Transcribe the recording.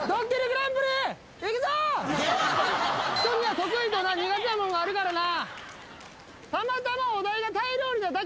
人には得意とな苦手なもんがあるからな。